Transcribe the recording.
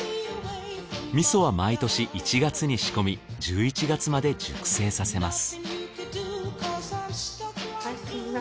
味噌は毎年１月に仕込み１１月まで熟成させます